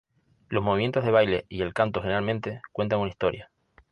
Los movimientos de baile y el canto generalmente cuentan una historia.